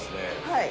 はい。